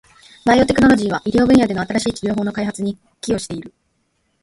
バイオテクノロジーは、医療分野での新しい治療法の開発に寄与している。